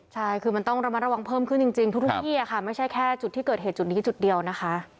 ใช่คือมันต้องระมัดระวังเพิ่มขึ้นจริงทุกที่ค่ะไม่ใช่แค่จุดที่เกิดเหตุจุดนี้จุดเดียวนะคะ